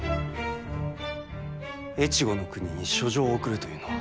越後国に書状を送るというのは？